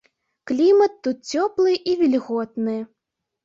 Клімат тут цёплы і вільготны.